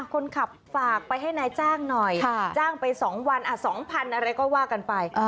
คนขับฝากไปให้นายจ้างหน่อยจ้างไป๒วัน๒๐๐๐อะไรก็ว่ากันไป